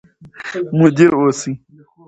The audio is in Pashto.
مدیر اوسئ.